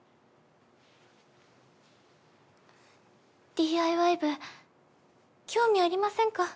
ＤＩＹ部興味ありませんか？